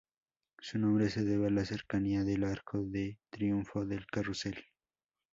Su nombre se debe a la cercanía del Arco de Triunfo del Carrusel.